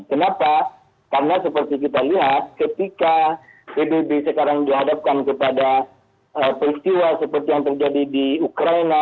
kenapa karena seperti kita lihat ketika pbb sekarang dihadapkan kepada peristiwa seperti yang terjadi di ukraina